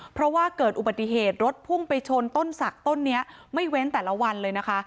เพราะว่าเกิดอุบัติเหตุรถพุ่งไปชนต้นศักดิ์ต้นนี้ไม่เว้นแต่ละวันเลยนะคะ